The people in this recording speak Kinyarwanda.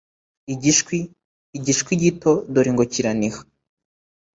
igishwi, igishwi gito dore ngo kiraniha